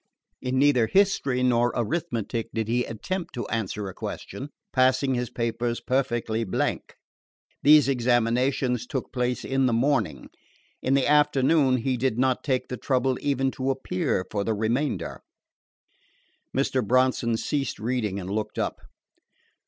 In neither history nor arithmetic did he attempt to answer a question, passing in his papers perfectly blank. These examinations took place in the morning. In the afternoon he did not take the trouble even to appear for the remainder." Mr. Bronson ceased reading and looked up.